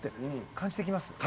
感じてきます。